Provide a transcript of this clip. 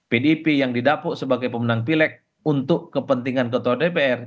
pdip yang didapuk sebagai pemenang pilek untuk kepentingan ketua dpr